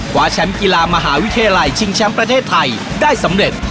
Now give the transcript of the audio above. แชมป์กีฬามหาวิทยาลัยชิงแชมป์ประเทศไทยได้สำเร็จ